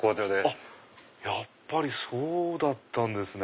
やっぱりそうだったんですね。